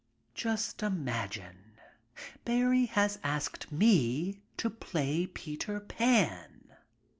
Just imagine, Barrie has asked me to play Peter Pan.